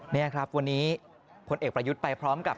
นี่ครับวันนี้พลเอกประยุทธ์ไปพร้อมกับ